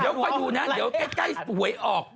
เดี๋ยวเดี๋ยวใก้สวยออก